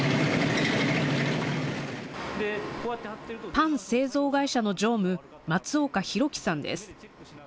パン製造会社の常務、松岡寛樹さんです。